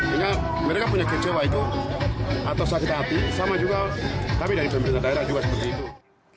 sehingga mereka punya kecewa itu atau sakit hati sama juga tapi dari pemerintah daerah juga seperti itu